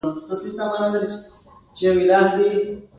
ما وویل چې دومره منفي فکر مه کوه